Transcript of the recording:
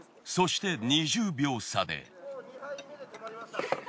そして２０秒差で。